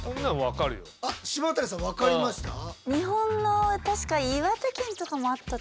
島谷さん分かりました？